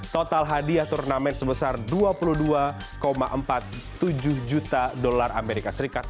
total hadiah turnamen sebesar dua puluh dua empat puluh tujuh juta dolar amerika serikat